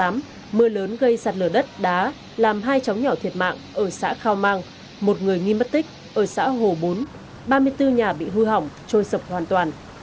mưa lớn gây sạt lở đất đá làm hai chóng nhỏ thiệt mạng ở xã khao mang một người nghi mất tích ở xã hồ bốn ba mươi bốn nhà bị hư hỏng trôi sập hoàn toàn